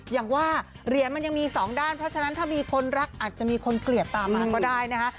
อย่างว่าเหรียญมันยังมีสองด้านเพราะฉะนั้นถ้ามีคนรักอาจจะมีคนเกลียดตามมาก็ได้นะคะ